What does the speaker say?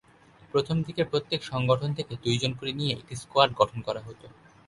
প্রথম দিকে প্রত্যেক সংগঠন থেকে দুইজন করে নিয়ে একটি স্কোয়াড গঠন করা হত।